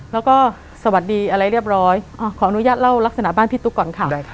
แล้วก็สวัสดีอะไรเรียบร้อยขออนุญาตเล่าลักษณะบ้านพี่ตุ๊กก่อนค่ะ